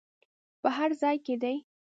په هر ځای کې دې.